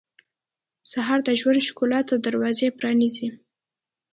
سهار د ژوند ښکلا ته دروازه پرانیزي.